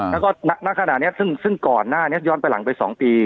แล้วก็ณขณะนี้ซึ่งก่อนหน้านี้ย้อนไปหลังไป๒ปี